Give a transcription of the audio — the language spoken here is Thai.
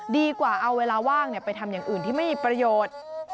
ดีกว่าเอาเวลาว่างไปทำอย่างอื่นที่ไม่มีประโยชน์